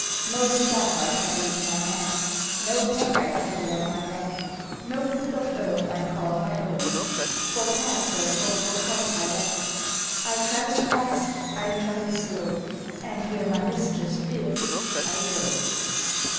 No staff I carry in my hand, No pack I carry on my back, No foot of earth I call my own, For castle or for cot I lack I travel fast, I travel slow, And where my mistress bids I go!